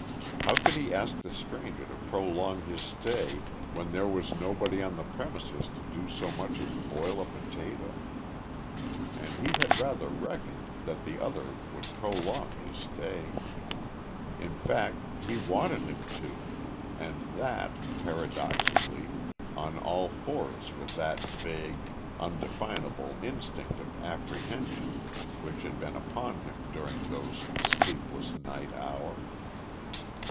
How could he ask the stranger to prolong his stay when there was nobody on the premises to so much as boil a potato. And he had rather reckoned that the other would prolong his stay. In fact he wanted him to, and that, paradoxically, on all fours with that vague, undefinable instinct of apprehension which had been upon him during those sleepless night hours.